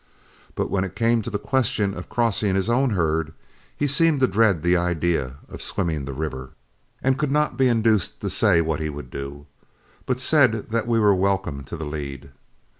But when it came to the question of crossing his own herd, he seemed to dread the idea of swimming the river, and could not be induced to say what he would do, but said that we were welcome to the lead.